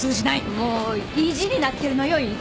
もう意地になってるのよ院長は。